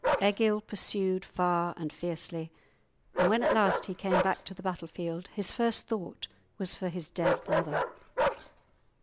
Egil pursued far and fiercely, and when at last he came back to the battlefield his first thought was for his dead brother.